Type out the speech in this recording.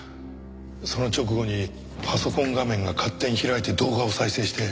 その直後にパソコン画面が勝手に開いて動画を再生して。